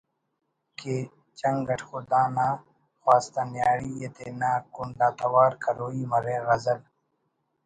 کہ چنگ اٹ خدا نا خواستہ نیاڑی ءِ تینا کنڈ آ توار کروئی مریک غزل